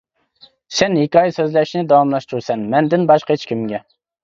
سەن ھېكايە سۆزلەشنى داۋاملاشتۇرىسەن مەندىن باشقا ھېچكىمگە.